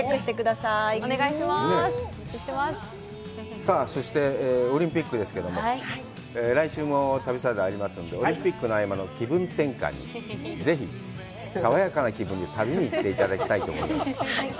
さあ、そしてオリンピックですけども、来週も旅サラダはありますので、オリンピックの合間の気分転換にぜひ、爽やかな気分で旅に行っていただきたいと思います。